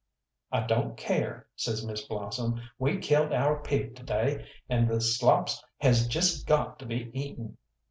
"I don't care," says Miss Blossom; "we killed our pig to day, and the slops has just got to be eaten.